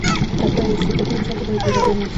ټپي انسان ته باید مهرباني وشي.